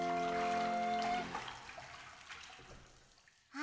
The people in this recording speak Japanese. あ！